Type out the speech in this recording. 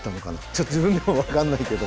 ちょっと自分でも分かんないけど。